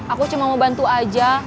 aku cuma mau bantu aja